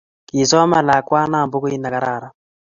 Kisoman lakwana pukuit ne kararan